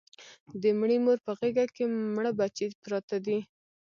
د مړې مور په غېږ کې مړه بچي پراته دي